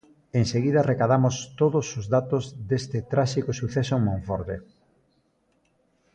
Enseguida recadamos todos os datos deste tráxico suceso en Monforte.